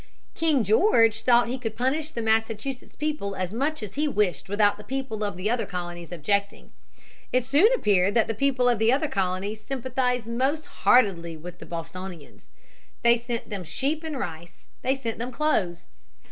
King George thought he could punish the Massachusetts people as much as he wished without the people of the other colonies objecting. It soon appeared that the people of the other colonies sympathized most heartily with the Bostonians. They sent them sheep and rice. They sent them clothes.